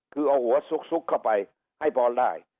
คือเอาหัวซุกเข้าไปให้พรได้